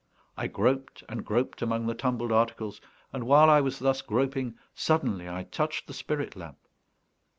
I groped and groped among the tumbled articles, and, while I was thus groping, suddenly I touched the spirit lamp.